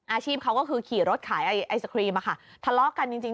อาชีพเขาก็คือขี่รถขายไอศครีมทะเลาะกันจริง